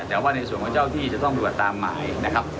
แต่ว่าในส่วนของเจ้าที่จะต้องตรวจตามหมายนะครับ